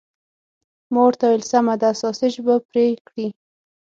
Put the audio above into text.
ما ورته وویل: سمه ده، ساسیج به پرې کړي؟